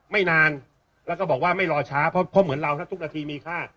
ไม่นานแล้วก็บอกว่าไม่รอช้าเพราะเหมือนเราถ้าทุกนาทีมีค่า